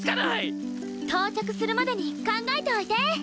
到着するまでに考えておいて。